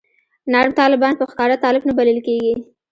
نرم طالبان په ښکاره طالب نه بلل کېږي.